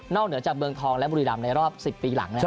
นอกเหนือจากเมืองทองและบุรีรัมป์ในรอบ๑๐ปีหลัง